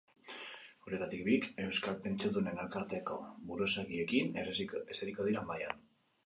Horietatik bik euskal pentsiodunen elkarteetako buruzagiekin eseriko dira mahaian.